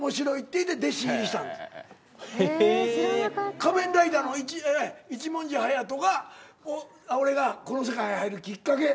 仮面ライダーの一文字隼人が俺がこの世界へ入るきっかけ。